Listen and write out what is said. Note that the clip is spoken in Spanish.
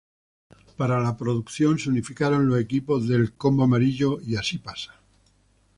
Para la producción se unificaron los equipos de "El Combo Amarillo" y "¡Así Pasa!".